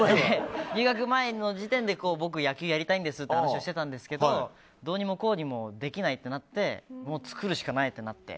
入学前の時点で僕、野球やりたいんですという話をしてたんですけどどうにもこうにもできないってなってもう作るしかないってなって